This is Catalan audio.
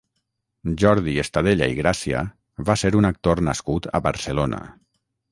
Jordi Estadella i Gràcia va ser un actor nascut a Barcelona.